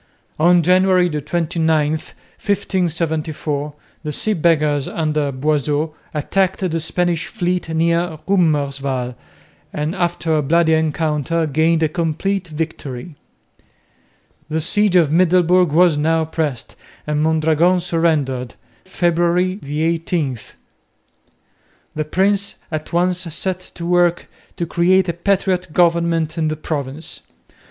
On January 29, 1574, the Sea Beggars under Boisot attacked the Spanish fleet near Roemerswaal and after a bloody encounter gained a complete victory. The siege of Middelburg was now pressed and Mondragon surrendered, February 18. The prince at once set to work to create a patriot government in the province.